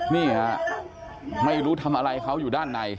นี่ฮะไม่รู้ทำอะไรเขาอยู่ด้านใน